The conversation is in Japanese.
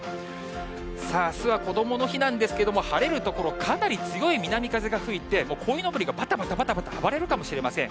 さあ、あすはこどもの日なんですけども、晴れる所かなり強い南風が吹いて、こいのぼりがばたばたばたばた暴れるかもしれません。